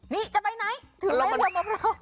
นี่จะไปไหนถือเล้นกลับมาพร้อม